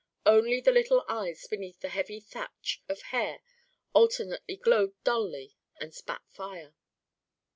Only the little eyes beneath the heavy thatch of hair alternately glowed dully and spat fire.